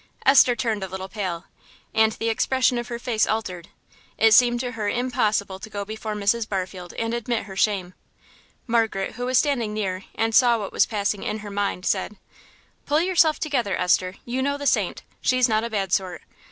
Esther turned a little pale, and the expression of her face altered; it seemed to her impossible to go before Mrs. Barfield and admit her shame. Margaret, who was standing near and saw what was passing in her mind, said "Pull yourself together, Esther. You know the Saint she's not a bad sort.